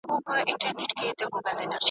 سپینه سهاره! لاس او پښو څخه مې دم ختلی